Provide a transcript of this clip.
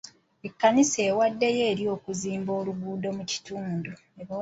Ekkanisa ewaddeyo eri okuzimba oluguudo mu kitundu.